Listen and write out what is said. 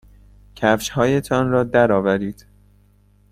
کفشهایتان را درآورید.